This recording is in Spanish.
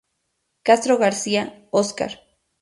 Castro García, Óscar.